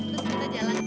terus ada jalan